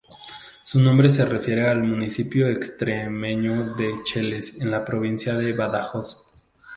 Su nombre se refiere al municipio extremeño de Cheles en la provincia de Badajoz.